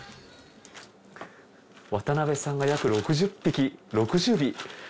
渡辺さんが約６０匹６０尾。